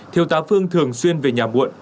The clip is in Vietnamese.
thiếu tá phương thường xuyên về nhà muộn